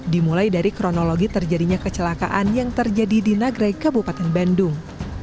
dimulai dari kronologi terjadinya kecelakaan yang terjadi di nagrek kabupaten bandung